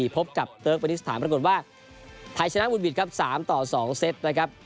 พบกับเติร์กเมนิสถานปรากฏว่าไทยชนะวุดหวิดครับ๓ต่อ๒เซตนะครับ